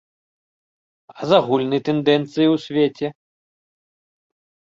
А з агульнай тэндэнцыяй у свеце?